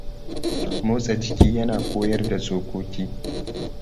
Motsa jiki yana koyar da tsokoki.